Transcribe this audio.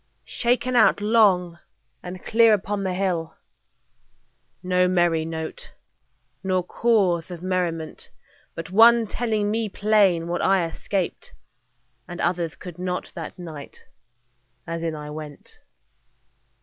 Shaken out long and clear upon the hill No merry note, nor cause of merriment, But one telling me plain what I escaped And others could not, that night, as in I went.